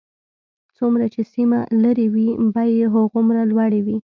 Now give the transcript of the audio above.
څومره چې سیمه لرې وي بیې هغومره لوړې وي